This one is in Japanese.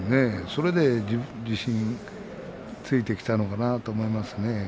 それで自信ついてきたのかなと思いますね。